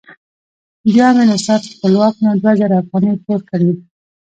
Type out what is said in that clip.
بیا مې له استاد خپلواک نه دوه زره افغانۍ پور کړې.